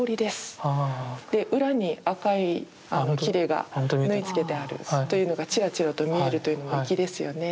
裏に赤いきれが縫い付けてあるというのがチラチラと見えるというのも粋ですよね。